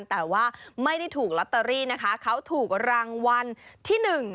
แต่ว่าไม่ได้ถูกลอตเตอรี่นะคะเขาถูกรางวัลที่หนึ่ง